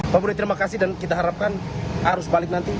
pemudri terima kasih dan kita harapkan harus balik nanti